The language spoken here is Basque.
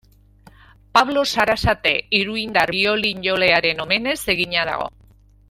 Pablo Sarasate iruindar biolin-jolearen omenez egina dago.